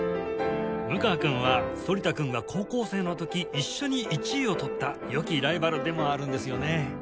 務川君は反田君が高校生の時一緒に１位を取った良きライバルでもあるんですよね